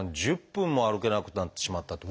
１０分も歩けなくなってしまったって。